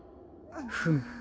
フム。